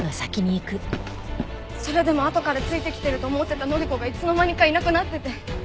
それでもあとからついてきてると思ってた範子がいつの間にかいなくなってて。